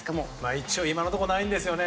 一応、今のところないんですよね。